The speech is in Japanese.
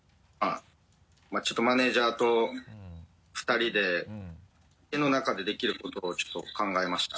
マネジャーと２人で家の中でできることをちょっと考えました。